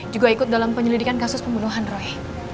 juga ikut dalam penyelidikan kasus pembunuhan roy